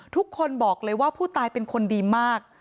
ทุกคนบอกเลยว่าผู้ตายเป็นคนดีมาก